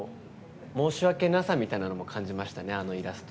申し訳なさみたいなのも感じましたね。